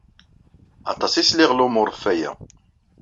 Aṭas i sliɣ n lumuṛ ɣef aya.